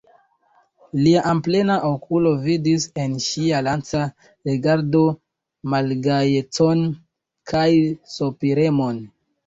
Lia amplena okulo vidis en ŝia laca rigardo malgajecon kaj sopiremon.